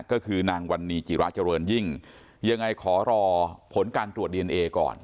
ก็คือนางวันนีจิราเจริญยิ่งยังไงขอรอผลการตรวจดีเอนเอก่อน